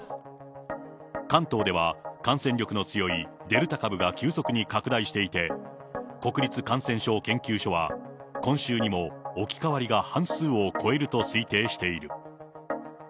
関東では、感染力の強いデルタ株が急速に拡大していて、国立感染症研究所は、今週にも置き換わりが半数を超えると推定している。